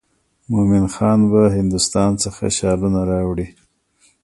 مومن خان به هندوستان څخه شالونه راوړي.